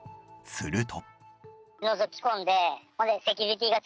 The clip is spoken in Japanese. すると。